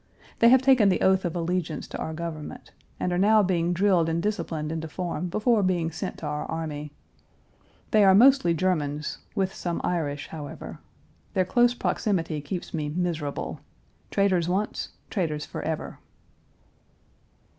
They have taken the oath of allegiance to our government, and are now being drilled and disciplined into form before being sent to our army. They are mostly Germans, with some Irish, however. Their close proximity keeps me miserable. Traitors once, traitors forever.